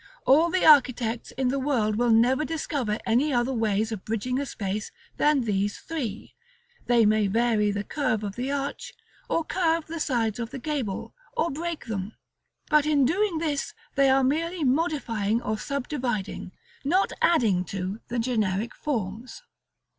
All the architects in the world will never discover any other ways of bridging a space than these three; they may vary the curve of the arch, or curve the sides of the gable, or break them; but in doing this they are merely modifying or subdividing, not adding to the generic forms.